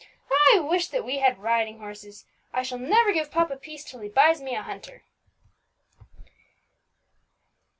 I wish that we had riding horses. I shall never give papa peace till he buys me a hunter."